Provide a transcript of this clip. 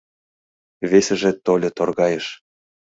Весыже тольо, торгайыш